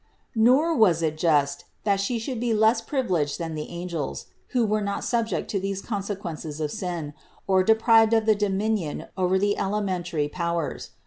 Nor was it just, that She should be less privileged than the angels, who were not subject to these consequences of sin, or deprived of the dominion over the elementary powers.